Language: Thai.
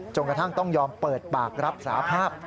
กระทั่งต้องยอมเปิดปากรับสาภาพ